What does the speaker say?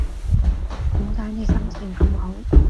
點解你心情咁好